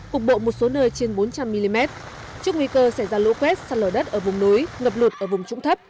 cục bộ một số nơi trên bốn trăm linh mm trước nguy cơ xảy ra lũ quét sạt lở đất ở vùng núi ngập lụt ở vùng trũng thấp